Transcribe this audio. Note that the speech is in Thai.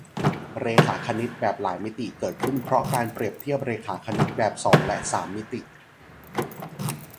เรขาคณิตแบบหลายมิติ เกิดขึ้นเพราะการเปรียบเทียบเรขาคณิตแบบสองและสามมิติ